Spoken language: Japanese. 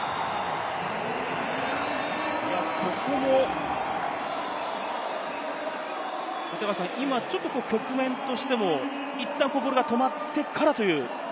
ここも今ちょっと局面としてもいったんボールが止まってからという。